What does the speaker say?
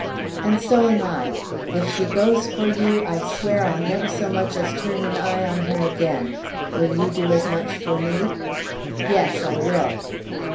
"And so am I. If she goes for you, I swear I'll never so much as turn an eye on her again. Will you do as much for me?" "Yes, I will."